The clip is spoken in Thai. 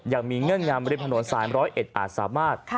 ยังมีเงื่อนงำริมถนน๓๐๑อาจสามารถ